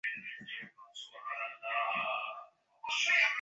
নির্মল কুমার জানালেন, শুধু একুশে গ্রন্থমেলায় অংশ নেওয়ার জন্যই ঢাকায় এসেছেন।